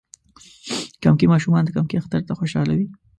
کمکي ماشومان د کمکی اختر ته خوشحاله وی.